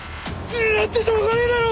だってしょうがねえだろ！